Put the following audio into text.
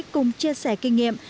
cùng chia sẻ kinh nghiệm